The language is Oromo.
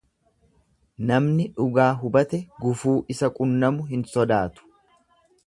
Namni dhugaa hubate, gufuu isa qunnamu hin sodaatu.